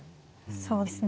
そうですね。